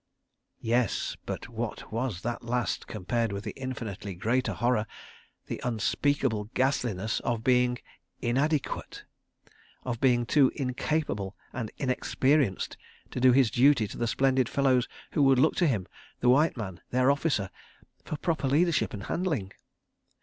... Yes—but what was that last compared with the infinitely greater horror, the unspeakable ghastliness of being inadequate, of being too incapable and inexperienced to do his duty to the splendid fellows who would look to him, the White Man, their Officer, for proper leadership and handling?